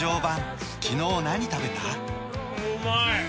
うまい！